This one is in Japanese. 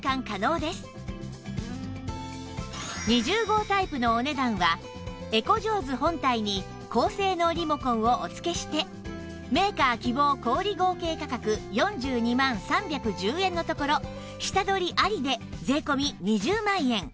２０号タイプのお値段はエコジョーズ本体に高性能リモコンをお付けしてメーカー希望小売合計価格４２万３１０円のところ下取りありで税込２０万円